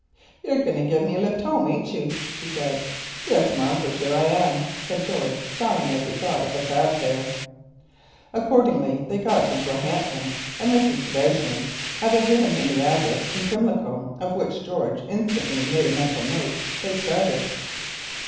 "You're going to give me a lift home, ain't you?" she said. "Yes, marm, for sure I am," said George, sighing as he thought of the cab fare. Accordingly they got into a hansom, and Mrs. d'Aubigne having given the address in Pimlico, of which George instantly made a mental note, they started.